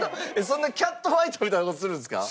そんなキャットファイトみたいな事するんですか？